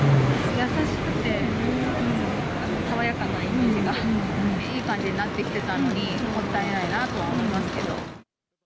優しくて爽やかなイメージがいい感じになってきてたのに、もったいないなとは思いますけど。